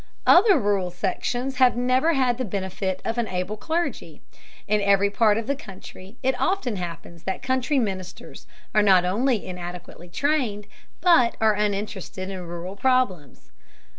Other rural sections have never had the benefit of an able clergy. In every part of the country it often happens that country ministers are not only inadequately trained, but are uninterested in rural problems.